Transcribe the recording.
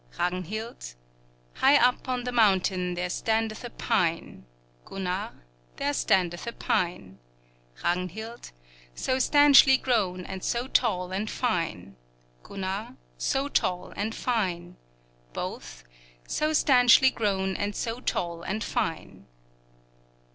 Ragnhild High up on the mountain there standeth a pine, Gunnar There standeth a pine; Ragnhild So stanchly grown and so tall and fine, Gunnar So tall and fine; Both So stanchly grown and so tall and fine.